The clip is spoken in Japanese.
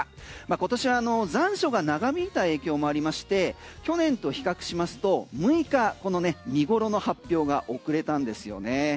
今年は残暑が長引いた影響もありまして去年と比較しますと６日、見頃の発表が遅れたんですよね。